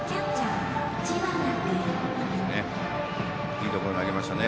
いいところに投げましたね。